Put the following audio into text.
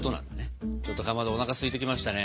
ちょっとかまどおなかすいてきましたね。